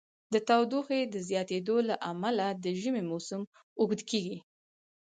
د تودوخې د زیاتیدو له امله د ژمی موسم اوږد کیږي.